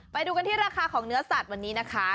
ไปดูกันที่ราคาของเนื้อสัตว์วันนี้นะคะ